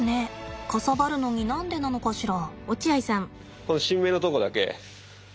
かさばるのに何でなのかしら。